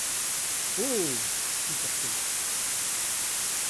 Oh ! fit Porthos.